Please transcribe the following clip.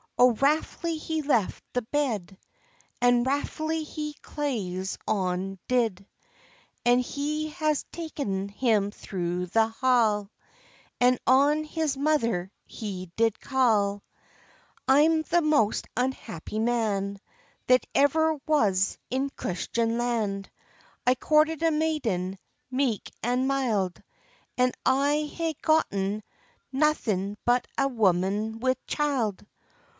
O wrathfully he left the bed, And wrathfully his claes on did; And he has ta'en him through the ha', And on his mother he did ca'. "I am the most unhappy man, That ever was in Christen land? I courted a maiden, meik and mild, And I hae gotten naething but a woman wi' child."